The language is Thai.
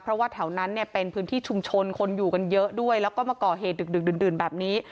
เพราะว่าแถวนั้นเนี่ยเป็นพื้นที่ชุมชนคนอยู่กันเยอะด้วยแล้วก็มาก่อเหตุดึกดื่นแบบนี้